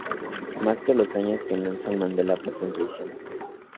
Más que los años que Nelson Mandela pasó en prisión.